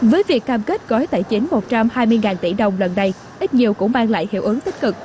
với việc cam kết gói tài chính một trăm hai mươi tỷ đồng lần này ít nhiều cũng mang lại hiệu ứng tích cực